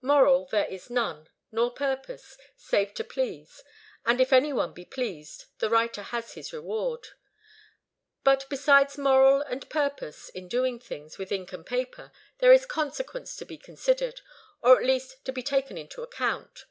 Moral, there is none, nor purpose, save to please; and if any one be pleased, the writer has his reward. But besides moral and purpose in things done with ink and paper, there is consequence to be considered, or at least to be taken into account.